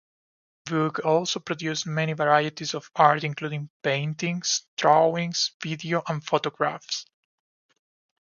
Voog also produced many varieties of art, including paintings, drawings, video, and photographs.